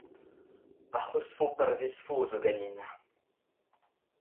Ar c'hreuzpervezfo zo ganin !